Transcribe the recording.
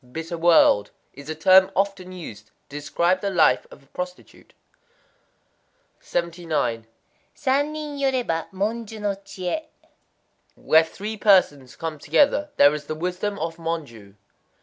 "bitter world") is a term often used to describe the life of a prostitute. 79.—San nin yoréba, Monjū no chié. Where three persons come together, there is the wisdom of Monjū.